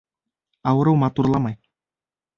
Ауырыу матурламай.